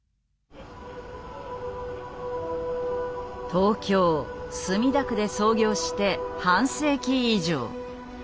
東京墨田区で創業して半世紀以上。